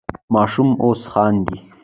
ماشوم اوس خاندي.